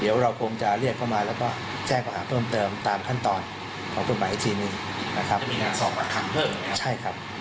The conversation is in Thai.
มีการสอบปากคำเพิ่มใช่ครับ